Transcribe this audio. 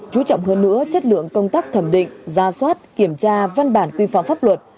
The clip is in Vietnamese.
chú trọng hơn nữa chất lượng công tác thẩm định gia soát kiểm tra văn bản quy phạm pháp luật